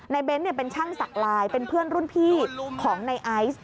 เบ้นเป็นช่างศักดิ์ลายเป็นเพื่อนรุ่นพี่ของในไอซ์